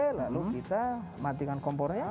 lalu kita matikan kompornya